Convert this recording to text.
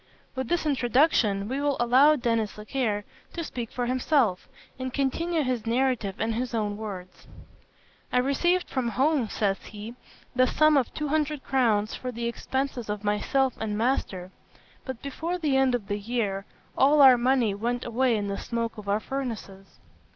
With this introduction, we will allow Denis Zachaire to speak for himself, and continue his narrative in his own words: "I received from home," says he, "the sum of two hundred crowns for the expenses of myself and master; but before the end of the year, all our money went away in the smoke of our furnaces.